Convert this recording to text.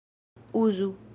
uzu